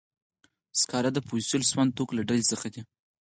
سکاره د فوسیل سون توکو له ډلې څخه دي.